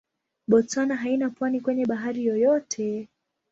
Botswana haina pwani kwenye bahari yoyote.